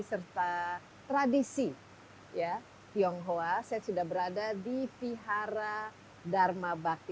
serta tradisi tionghoa saya sudah berada di pihara dharma bakti